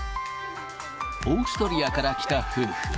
オーストリアから来た夫婦。